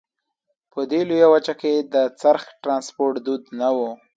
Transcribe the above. په دې لویه وچه کې د څرخ ټرانسپورت دود نه وو.